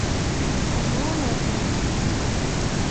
— Да молан ок лий.